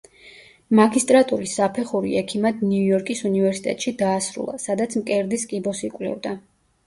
მაგისტრატურის საფეხური ექიმად ნიუ-იორკის უნივერსიტეტში დაასრულა, სადაც მკერდის კიბოს იკვლევდა.